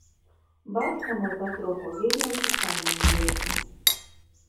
Бацька мой, патроху, вельмі ў чытанне ўеўся.